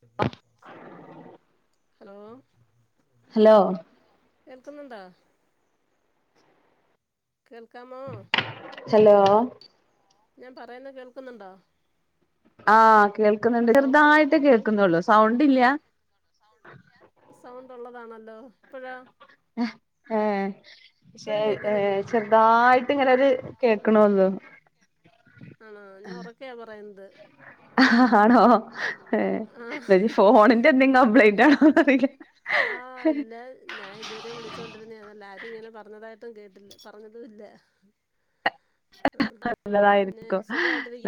Hello hello hello കേൾക്കുന്നുണ്ടോ കേൾക്കാമോ hello ഞാൻ പറയുന്ന കേൾക്കുന്നുണ്ടോ ആഹ് കേൾക്കുന്നുണ്ട് ഹലോ ചെറുതായിട്ട് കേൾക്കുന്നുള്ളൂ സൗണ്ട് ഇല്ല സൗണ്ട് ഇല്ല സൗണ്ട് ഉള്ളതാണല്ലോ ഇപ്പഴോ ഏ ക്ഷേ ഇപ്പഴും കേൾക്കുന്നില്ലേ ഏഹ് ചെർ തായിട്ട് ഇങ്ങനെ ഒര് കേൾക്കണൊള്ളു ആണോ ഞാൻ ഉറക്കെയാ പറയുന്നത് ആണോ ഏഹ് ഇന്നഞ്ഞി ആഹ് ഫോണിന്റെ എന്തെങ്കിലും കംപ്ലൈന്റ് ആണോന്നറിയില്ല ഞാ ഇതുവരെ വിളിച്ചോണ്ടിരുന്നേണല്ലോ ആരും ഇങ്ങനെ പറഞ്ഞതായിട്ടും കേട്ടില്ല പറഞ്ഞതും ഇല്ല ആഹ് നല്ലതായിരുന്നു പിന്നെ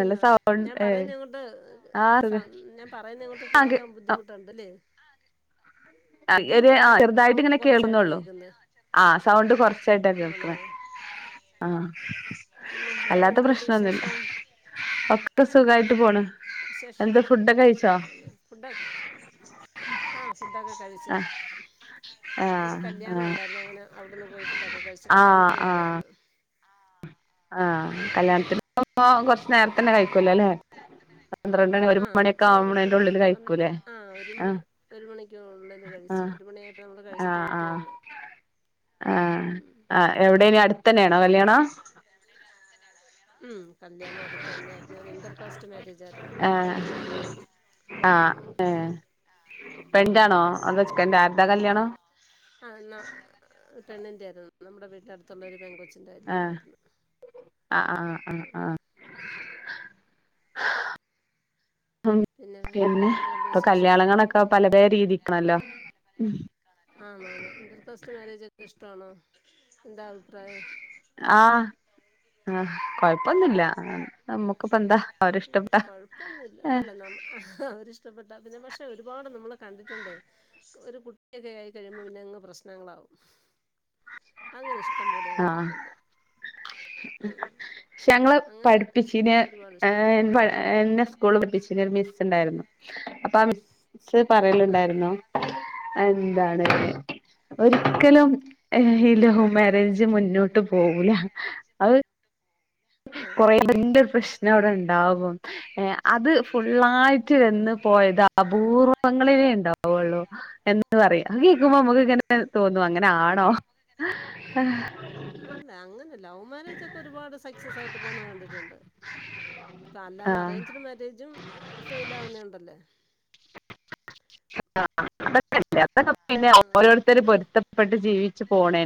നല്ല സൗണ്ട് ഞാൻ ഏഹ് പറയുന്ന അങ്ങോട്ട് ആഹ് ആഹ് സം ഞാൻ പറയുന്ന അങ്ങോട്ട് കേൾക്കാൻ ബുദ്ധിമുട്ടുണ്ട്ല്ലേ ആഹ് ആഹ് ഒരു ബുദ്ധിമുട്ടില്ല ആഹ് ചെറുതായിട്ട് സൗണ്ട് ഇങ്ങനെ കുറച്ചായിട്ട് കേൾക്കുന്നുള്ളൂ കേൾക്കുന്നേ ആഹ് ചെർതായിട്ടിങ്ങനെ സൗണ്ട് കുറച്ചായിട്ടാ കേൾക്കുന്നുണ്ട് ആണോ കേൾക്കണേ ആ ആഹ് സൗണ്ട് പിന്നെ അല്ലാത്ത വേറെന്തുണ്ട് പ്രശ്നമൊന്നുമില്ല വിശേഷം ഒക്കെ സുഖായിട്ട് പോണ് വിശേഷം എന്താ ഫുഡൊക്കെ കഴിച്ചോ ഫുഡൊ ആ ഫുഡൊക്കെ കഴിച്ച് ആ ആഹ് കയിച് ഇന്നൊരു ആഹ് കല്യാണം ആഹ് ഉണ്ടായിരുന്നു അങ്ങനെ അവിടെന്ന് പോയി ഫുഡൊക്കെ കഴിച്ചു കല്യാണത്തിന് ആഹ് ആഹ് പോയാരുന്നു ആഹ് ആഹ് കല്യാണത്തിന് ഇപ്പൊ കൊറച്ച് നേരത്തന്നെ കഴിക്കല്ലോല്ലെ ആഹ് ഉച്ച ഒരു പന്ത്ര ഉള്ളില് കഴിക്കൂലേ ആ ഒരു മണി ആഹ് ഒരു മണിക്ക് [unintelligible] കഴിച്ച് ആഹ് ഒരു മണിയായപ്പോൾ ഞങ്ങൾ കഴിച്ചിട്ട് ആഹ് വീട്ടി ആഹ് വന്ന് ആഹ് ഉം ആ എവിടെനി അടുത്തന്നെയാണോ കല്യാണം? ഉം കല്യാണം അടുത്തന്നെ ജൊരു ഇന്റർകാസ്റ്റ് മാരേജായിരുന്നു. ഏഹ് ആഹ് പെന്റാണോ അതോ ചെക്കന്റെ ആര്താ കല്യാണം? ആഹ് ന്ന പെണ്ണിന്റേയിരുന്നു നമ്മുടെ വീട്ട അടുത്തുള്ള ഒരു പെങ്കൊ ആഹ് ആ ആഹ് ആഹ് ആഹ് ഹ് പിന്നെ വേറെന്തൊണ്ട് ഇപ്പൊ വിശേഷം? കല്യാണങ്ങളൊക്കെ പല പല രീതിക്കാണല്ലോ ആണാണ് ഇന്റർകാസ്റ്റ് മാരേജൊക്കെഷ്ട്ടാണോ? എന്താ അഭിപ്രായം. ആഹ് ആഹ് കൊഴപ്പൊന്നുല്ല നമ്മുക്കന്താ അവരിഷ്ടപ്പെട്ടാ കുഴപ്പമൊന്നുമില്ല ഏഹ് അല്ല നമ്മ അവരിഷ്ടപ്പെട്ട പിന്നെ പക്ഷെ ഒരുപാട് നമ്മള് കണ്ടിട്ടുണ്ടേ ഒരു കുട്ടിയൊക്കെ ആയി കഴിയുമ്പോ പിന്നെങ്ങ് പ്രശ്നങ്ങളാവും. അങ്ങനെ ഇഷ്ടം പോലെ ഞാൻ കണ്ടിട്ടുണ്ട്. ഉം ക്ഷെ ഞങ്ങളെ അങ്ങനെ പഠിപ്പിച്ചിനെ ഒരുപാട് ഏ ഇഷ്ടം എന്നെ സ്കൂള് പഠിപ്പിച്ചീനെ ഒരു മിസ്സ്ണ്ടായിരുന്നു. അപ്പൊ ആ മിസ്സ് സ്സ് ഉണ്ടായിരുന്നു ആഹ് പറയലുണ്ടായിരുന്നു എന്താണ് ഒരിക്കലും ഈ ലൗ മാരേജ് മുന്നോട്ട് പോവൂലാ [unintelligible] കൊറേ [unintelligible] പ്രശ്നം അവിടെ ഇണ്ടാവും. ഏഹ് അത് ഫുള്ളായിട്ട് ആഹ് വന്ന് ആഹ് പോയതാ അപൂർവങ്ങളിലേ ഇണ്ടാവൊള്ളൂ എന്ന് പറയാ. അത് കേക്കുമ്പോ അമ്മക്ക്ങ്ങനെ തോന്നും അങ്ങനെ ആണോ. [inaudible] [inaudible] അല്ല അങ്ങനെല്ല ഒവ് മാരേജ് ഒക്കെ ഒരുപാട് സക്സസ് ആയിട്ട് പോന്ന കണ്ടിട്ടുണ്ട്. ഇപ്പ അല്ലാതെ ആ അറേഞ്ച്ട് മാരേജും ഫെയ്ൽ ആവുന്ന ഉണ്ടല്ലേ [unintelligible] അതൊക്കെ പിന്നെ ആ ഓരോരുത്തർ പൊരുത്തപ്പെട്ട് ജീവിച്ചു പോണേ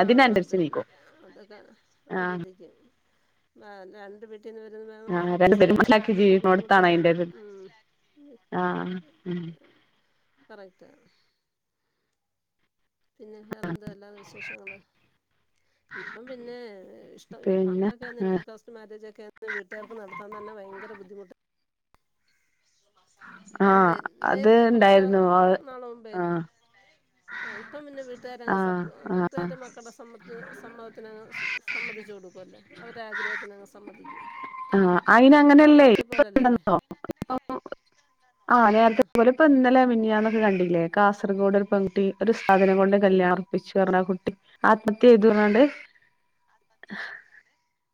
അതിനനുസരിച്ച് നിക്കും. അത അതിരിക്കും രണ്ട് [unintelligible] റ്റ്ന്ന് [unintelligible] വരു [unintelligible] ആഹ് രണ്ട് അഡ്ജസ്റ്റ് പേരും ചെയ്യാനൊക്കെ മനസ്സിലാക്കി ആദ്യ ഒക്കെ ബുദ്ധിമുട്ട് ജീവിക്കുന്നോടത്താണ് അതിന്റെ കാണും. ഒരു ഉം ഉം ഉം കറക്റ്റ് പിന്നെ വേറെ എന്തോ അല്ലാതെ വിശേഷങ്ങള്. ഇപ്പം പിന്നെ ഇഷ്ടം പിന്നെ പണ്ടൊക്കെന്ന ഇന്റർക്ക മാരേജൊക്കെ വീട്ടാർക്ക് നടത്താൻ തന്നെ ഭയങ്കര ബുദ്ധിമുട്ട പണ്ട് ആഹ് അത് നേരെത്തെ കൊറച്ച് ഉണ്ടായിരുന്നു ആഹ് നാള മുമ്പെ ആഹ് ആഹ് ഇപ്പം പിന്നെ വീട്ട് വീട്ടുകാരങ്ങ് ആഹ് സപ്പ ആഹ് വീട്ടുകാരുടെ മക്കൾ ടെ സമ്മത്ത് സമ്മതത്തിനങ്ങ് സമ്മതിച്ചു കൊടുക്കും അല്ലേ. അവരെ ആഗ്രഹത്തിനങ്ങ് സമ്മതിക്കും ആഹ് അയിനങ്ങനെല്ലേ [unintelligible] ണ്ടെന്നോ അങ്ങനെല്ലേ ഇപ്പ എന്താന്നൊ ആഹ് നേരത്തെ പോലെ ഇപ്പ ഇന്നലേ മിനിയാന്നൊക്കെ കണ്ടില്ലേ കാസർഗോഡൊരു പെങ്കുട്ടി ഒരു ഉസ്താദിനെ കൊണ്ട് കല്യാണം അർപ്പിച്ചു പർഞ ആ കുട്ടി. ആത്മഹത്യ ചെയ്തു അർഞാണ്ട്.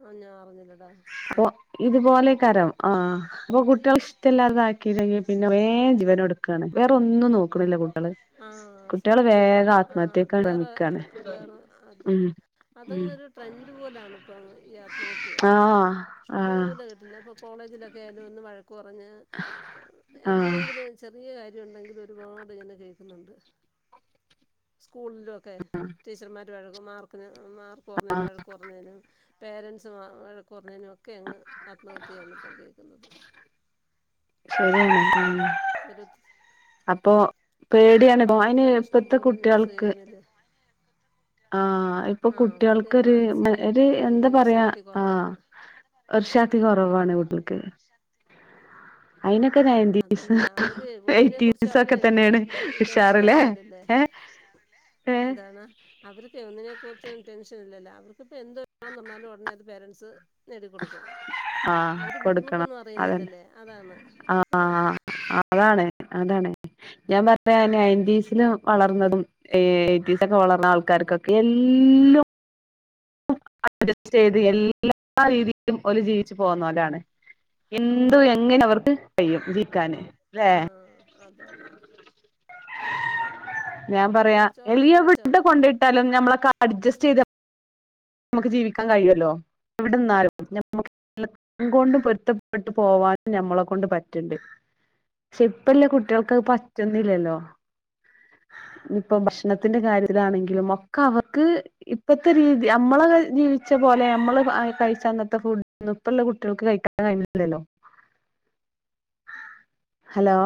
ആഹ് ഞാൻ അറിഞ്ഞില്ലടാ അപ്പ ഇതുപോലേക്കാരം ആഹ് അപ്പൊ കുട്ട്യേൾ ട്ടല്ലാതെ ആക്കീണെങ്കി പിന്നെ വേം ജീവനൊടുക്കാണ് വേറെ ഒന്നും നോക്ക്ണില്ല കുട്ട്യേള്. ആഹ് സത്യ ആ വേറെ ശ്രമിക്കാണ് വേറെ അത് ഉം അത് ഉം ഇങ്ങെരു ട്രെൻഡ് പോലാണ് ഇപ്പങ് ഈ ആത്മഹത്യ ആഹ് ഇഷ്ടം ആഹ് പോലെ അല്ല പ്പൊ കോളേജിലൊക്കെ ആയാലും ഒന്ന് വഴക്ക് പറഞ്ഞ് ആഹ് എന്തിനെങ്കിലും ചെറിയ കാര്യവൊണ്ടെങ്കിലും ഒരുപാട്ങ്ങനെ കേക്കുന്നുണ്ട്. സ്കൂൾലുവൊക്കെ ടീച്ചർമാര് വഴക്ക് [unintelligible] മാർക്ക് ക്കന് മാർക്ക് കൊറഞ്ഞേനും വഴക്കു പറഞ്ഞേനും പേരൻസ് മാ വഴക്ക് പറഞ്ഞേനും ഒക് ഒക്കെയങ്ങ് ആത്മഹത്യയാണ് ഇപ്പം കേക്കുന്നത്. [unintelligible] ഒരു അപ്പൊ പേടി ഇപ്പം ആണ് അയ്ന് പത്രത്തിലൊക്കെ ഇഷ്ടം ഇപ്പത്തെ പോലെ ന്യൂസ് കുട്ട്യൾക്ക് കേൾക്കുന്നില്ലേ ആഹ് ഇപ്പൊ ആ അവർക്ക് കുട്ട്യൾക്കൊരു ഒരു മാനസികമായിട്ടുള്ള എന്താ പറയാ ശക്തി ആഹ് കുറവാണ് ഒരു ഷാത്തി കൊറവാണ് കുട്ട്യൾക്ക് ഒരു ശക്തി കൊറവാണ് ഉം നയന്റ്റീസ് അതല്ലേ അവര് ഒന്നിനെ കുറിച്ച് എയ്റ്റീസ് അവര് ഒക്കെ തന്നെയാണ് ടെൻഷൻ ഉഷാറില്ലേ ആവുന്നില്ലല്ലേ ഏഹ് ഏഹ് എന്താണ് അവർക്കേ ഒന്നിനെ കുറിച്ചും ടെൻഷൻ ഇല്ലല്ലോ. അവർക്ക്പ്പൊ എന്ത് വേണൊന്ന് പറഞ്ഞാലും ഒടനേ അത് പേരൻസ് നേടിക്കൊടുക്കും. ആഹ് അവര് കൊടുക്കണം ബുദ്ധിമുട്ടൊന്നും അതന്നെ അറിയുന്നില്ലല്ലേ അതാണ്. ആ ആഹ് അതാണ് അതാണ് ഞാൻ പറഞ്ഞതാ നയൻറ്റീസിലും വളർന്നതും ഏ ഏയ്റ്റീസക്കെ വളർന്ന ആൾക്കാർക്കൊക്കെ എല്ലും അഡ്ജസ്റ്റ് ചെയ്ത് എല്ലാ രീതിയിലും ഓര ജീവിച്ചു പോന്നോലാണ് ഹലോ എന്തു എങ്ങനവർക്ക് കഴിയും ജീക്കാന് അല്ലേ ആഹ് അതാണ് ഞാൻ പിന്നെ പറയാ ചോറൊക്കെ കഴിച്ചോ എല്ലെവിടെ കൊണ്ടേയിട്ടാലും ഞമ്മളെക്കെ അഡ്ജസ്റ്റ് ചെയ്ത് നമുക്ക് ജീവിക്കാൻ കയുവ ല്ലോ എവിടെന്നാലും ഞ മക് ല്ലം കൊണ്ടും പൊരുത്തപ്പെട്ടു പോവാനും ഞമ്മളെ കൊണ്ട് പറ്റ്ണ്ട്. പക്ഷെ ഇപ്പല്ല കുട്ട്യൾക്കത് പറ്റുന്നില്ലല്ലോ ഇപ്പം ഭക്ഷണത്തിന്റെ കാര്യത്തിലാണെങ്കിലും ഒക്കവർക്ക് ഇപ്പത്തെ രീ യമ്മള ജീവിച്ച പോലെ അമ്മള് കഴിച്ച അന്നത്തെ ഫുഡ് ന്നും ഇപ്പല്ല കുട്ടികൾക്ക് കഴിക്കാൻ കഴിയിണ് ല്ലല്ലോ ഹലോ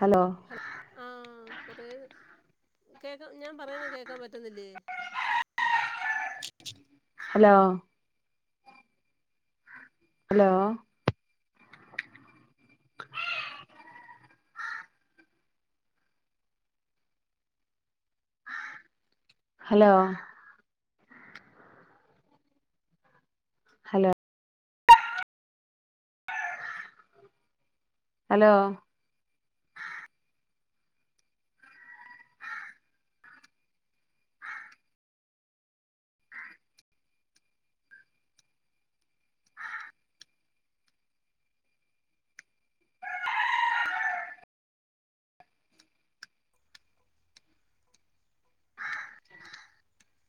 ഹലോ ഹല ആഹ് കൊറേ കേക്കാ ഞാ പറയുന്ന കേക്കാൻ പറ്റുന്നില്ലേ hello hello hello hello hello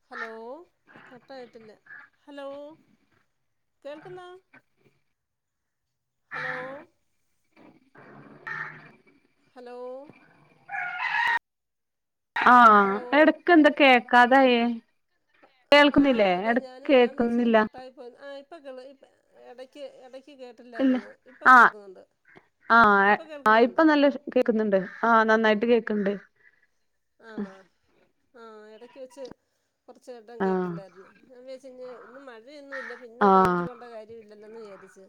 hello കട്ടായിട്ടില്ല ഹലോ കേൾക്കുന്നോ ഹലോ ഹലോ ആഹ് ഹലോ എടക്കെന്താ കേക്കാതായെ കേൾക്കുന്നില്ലേ ആഹ് അതാ എടക്ക് ഞാനും ഞാൻ വിചാരിച്ച് കേക്കുന്നില്ല കട്ടായി ആഹ് ഇപ്പൊ കേള് എടക്ക് എട ക്ക് ഇല്ല കേട്ടില്ലാരുന്ന് ഇപ്പ ആഹ് കേൾക്കുന്നുണ്ട് ഇപ്പം കേൾക്കുന്നൊണ്ടോ കേക്ക്ന്ന്ണ്ട് ആഹ് നന്നായിട്ട് കേക്ക്ണ്ട് ആണ ആഹ് എടക്ക് വെച്ച് കുറച്ച് വട്ടം ആഹ് കേട്ടില്ലാരുന്നു ഞാൻ വിചാച്ച് ഇന്ന് ഇന്ന് മഴ ഒന്നും ഇല്ല പിന്നെ റേഞ്ച് ആഹ് പോണ്ട കാ ര്യം ഇല്ലല്ലോന്ന് വിചാരിച്ചു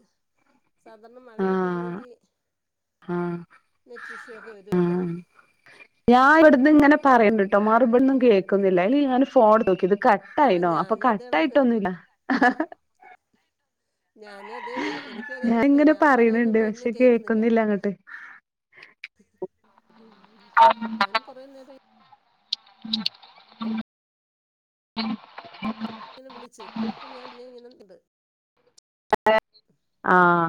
സാധാരണ മഴയൊക്കെ ആഹ് ആന്നെങ്കി ആഹ് നെറ്റ് ഇഷ്യുവൊക്കെ വരുവല്ല ഞാ ഇവിടുന്ന് ഇങ്ങനെ പറൺണ്ട്ട്ടോ മറ് ബോണ്ണും കേക്ക്ന്നില്ല അയ്ല് ഞാന് ഫോൺഎട്ത്ത്നോക്കി ഇത് കട്ട ആ ആയിന്നോ അപ്പ ഞാനും അതേ കട്ട കണക്ക് ആയിട്ടൊന്നു ഇല്ല ഞാനും അതേ എനിക്കും അതേ അവസ്ഥ ഞാനിങ്ങനെ പറയണണ്ട് ഞാപറയുന്നുണ്ട് ഒന്നും പക്ഷെ കേക്കുന്നില്ല അങ്ങട്ട് ഞാനും കൊറേ നേരയി [unintelligible] ഇങ്ങനെ വിളിച്ച് അപ്പൊ ഞാൻ പിന്നെ ഇങ്ങനെണ്ട് [unintelligible] ആഹ്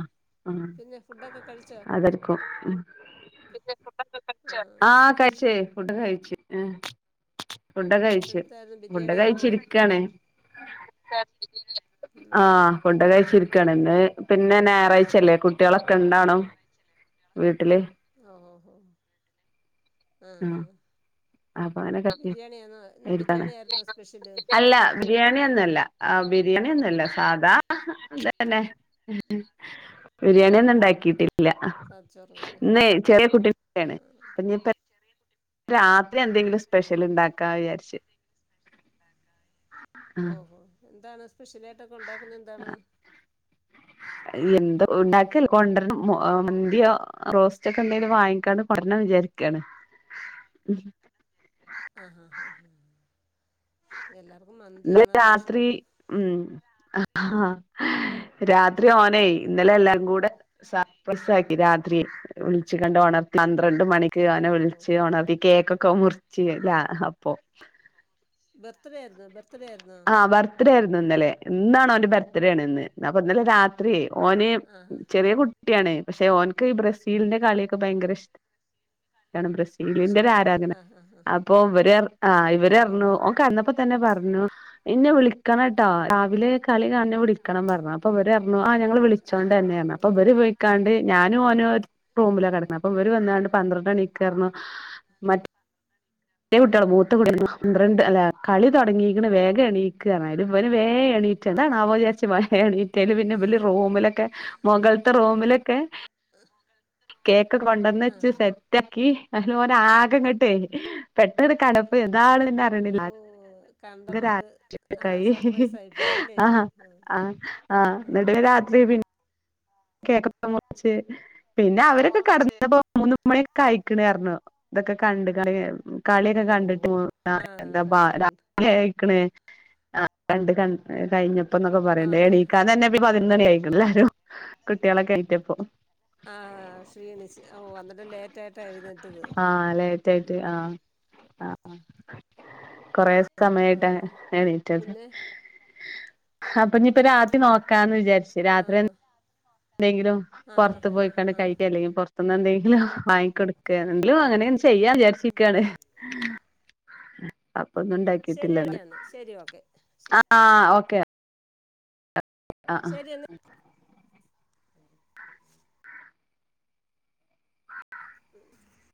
ആഹ് പിന്നെ ഫുഡൊക്കെ കഴിച്ചോ അതെരി ക്കും ഉം പിന്നെ ഫുഡോക്കെ കഴിച്ച ആ ആഹ് കഴിച്ച് ഫുഡ് ഒക്കെ കഴിച്ച് ഉം ഫുഡൊക്കെ കഴിച്ച് എന്തായിരുന്നു ഫുഡോക്കെ ബിരിയാണി കഴിച്ച് ആയിരുന്നോ ഇരിക്കണ് ഹ ഉം. ആഹ് ഫുഡൊക്കെ കഴി ചിരിക്കാണ് ഇന്ന് പിന്നെ ഞായറാഴ്ച്ച അല്ലേ കുട്ടികളൊക്കെ ഇണ്ടണും വീട്ടില് ഓഹ് ഓഹ് ഹോ വീട്ടില് ആഹ് ഹ അപ്പൊ അങ്ങനെ കഴി ബിരിയാണി ആന്നോ ഇന്ന് ഇരിക്കാണ് ബിരിയാണി ആരുന്നോ സ്പെഷ്യല് അല്ല ബിരിയാണി ഒന്നു അല്ല ആഹ് ബിരിയാണി ഒന്നു അല്ല സാധാ അതന്നെ ബിരിയാണി ഒന്നും ഉണ്ടാക്കിട്ടി ല്ലാ സാധിച്ചോറും കറി ഇന്നേ ചെറിയ കുട്ടേക്കാണ് ആ ഇനി ഇപ്പ രാ ആ എന്തെങ്കിലും സ്പെഷ്യല്ണ്ടാക്കാ വിചാരിച്ച് ഉം ഓഹ് എന്താണ് സ്പെഷ്യലായിട്ടൊക്കെ ഉണ്ടാക്കുന്നെ എന്താണ് എന്തോ ഉണ്ടാക്കൽ കൊണ്ടരണം മന്തിയൊ റോസ്റ്റ് ഒക്കെ എന്തെലും വാങ്ങിക്കാണ്ട് പറഞ്ഞ വിചാരിക്കാണ് ഉം ഉം ആഹ് ആഹ് ആഹ് എല്ലാർക്കും ഇന്നലെ മന്തിയാണല്ലോ രാത്രി ഇഷ്ടം ഉം ആഹ് ആഹ് രാത്രി ഓനെ ഇന്നലെ എല്ലാകൂടെ സർപ്പൽസാക്കി രാത്രി വിളിച് കാണ്ട് ഒണർ പന്ത്രണ്ട് മണിക്ക് അവനെ ഓഹോ ഹോ വിളിച്ച് ഓണർതി കേക്കൊക്കെ മുറിച്ച്ല്ല അപ്പൊ ബർത്ത്ഡേ ആരുന്നോ ബർത്ത്ഡേ ആരു ആഹ് ബർത്ത്ഡേ ആയിരുന്നു ഇന്നലെ ഇന്നാണ് ഓന്റെ ബർത്ത്ഡേ ആണ് ഇന്ന് അപ്പൊ ഓ ഇന്നലെ രാത്രിയേ ഓന് ആ ഹാ ചെറിയ കുട്ടി അണെ പക്ഷെ ഓന്ക്ക് ബ്രസീലിന്റെ കളിഒക്കെ ഭയങ്കര ഇഷ്ടണ് ബ്രസീ ഇലിന്റെ ഒരു ഇഷ്ടാണ് ആരാധന ആ ഹാ ഹാ അപ്പൊ ഇവരെ ആ ഓ ഇവര്റു ആ ഇവര് ഓന് കേടാനാപ്പ തന്നെ പറഞ്ഞു ഇന്നെ വിളിക്കണട്ടോ രാവിലെ കളി കാണെ വിളിക്കണം പറഞ്ഞു അപ്പൊ ഇവര് പറഞ്ഞു ആ ഞങ്ങൾ വിളിച്ചോണ്ട് ആണോ തന്നെയാന്ന അപ്പൊ ഇവര് വിളിക്കാണ്ട് ഞാനും ഒനു ഒരു റൂമില കട ക്ക്ണെ അപ്പൊ ഇവര് വന്നണ്ട് പന്ത്രണ്ട് മണിക്ക്റരുന്നു മ റ്റെ കുട്ടികള ബൂത്ത കു പന്ത്രണ്ട് അല്ല കളിതുടങ്ങിക്ക്ണ് വേഗം എണീക്ക് പറഞ്ഞാലും ഇവര് വേ എണീ റ്റാതാനാവോ വിചാരിച്ച മാണ് ഇറ്റാലി പിന്നെ വലിയ റോമിലൊക്കെ മുഗലത്തെ റോമിലൊക്കെ ആഹ കേക്കു കൊണ്ടന്ന് വെച്ച് സെറ്റക്കി അന് ന ആകങ്ങാട്ടെ പെട്ടെന്ന് കടപ്പ് ഇതാള്ന്റെ അറിയണില്ല ഓ കണ്ടപ്പോ ഒരു ആഹ് ക്കായി സർപ്രൈസ് ആയി പോയി അല്ലേ ആഹ് ഉം ആഹ് ആഹ് എന്നിട്ട രാത്രി പിന്നെ കേകൊക്കെ മുറിച്ച് പിന്നെ അവരൊക്കെ കടന്നപ്പോ മൂന്നു മണിക്കെ കഴിക്കണറഞ്ഞു ഇതൊക്കെ കണ്ട് കടെ ഓ കളിയൊക്കെ കണ്ടിട്ട് പോ ആ എന്താപ്പ കണ്ട് കണ്ട് രാത്രി ആയിക്ക്ണ് ആഹ് കണ്ട് കൺ കഴിഞ്ഞപ്പന്നൊക്കെ ആ പറയണ്ടേ ഹാ ഹാ എണീക്കാനെന്നെ പതിനൊന്നണി ആയിക്ണാല്ലാരോ കുട്ട്യേളൊക്കെ എണീറ്റപ്പോ ആഹ് ക്ഷീണിച്ച് ഓ അന്നരം ലേറ്റ് ആയിട്ടാ എഴുന്നേറ്റത് ആഹ് ലേറ്റ് ആയിട്ട് ഉം ആഹ് ആഹ് കൊറേ ആ സമയട്ടാണ് എണീറ്റത് പിന്നെ അപ്പൊ ഞ്ഞിപ്പൊ രാ ത്രി നോക്കാന്ന് വിചാര്ച്ചു ആ രാത്രിയെൻ ന്തെങ്കിലും ആ ഹാ പുറത്ത് ഹാ പോയിക്കാണ്ട് ഹാ കഴിക്ക അല്ലെങ്കിൽ പുറത്ത്ന്ന് എന്തെങ്കിലും വാങ്ങിക്കൊടു ക്കാണെങ്കിലു ആ അങ്ങനെൻ ചെയ്യചാരിച്ചിക്കാണ് അപ്പൊൊന്നും ശരി ഉണ്ടാക്കിട്ടില്ലന്ന് എന്നാ ശരി ഓക്കെ ശരി ആഹ് ഓക്കെ ആഹ് ശരി എന്ന ഉം